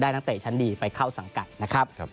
ได้ตั้งแต่ชั้นดีไปเข้าสังกัดนะครับ